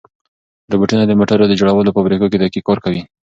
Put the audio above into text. روبوټونه د موټرو د جوړولو په فابریکو کې دقیق کار کوي.